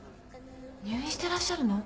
入院してらっしゃるの？